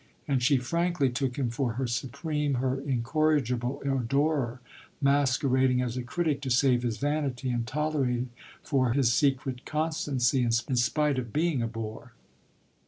And she frankly took him for her supreme, her incorrigible adorer, masquerading as a critic to save his vanity and tolerated for his secret constancy in spite of being a bore.